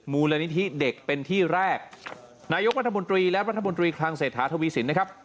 มูลนิธิเด็กเป็นที่แรกนายกรัฐมนตรีและรัฐมนตรีคลังเศรษฐาทวีสินนะครับ